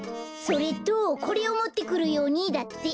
それとこれをもってくるようにだって。